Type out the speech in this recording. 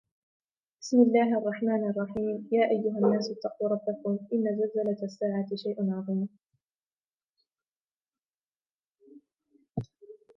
بسم الله الرحمن الرحيم يا أيها الناس اتقوا ربكم إن زلزلة الساعة شيء عظيم